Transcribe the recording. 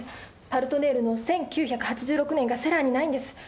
「パルトネール」の１９８６年がセラーにないんです。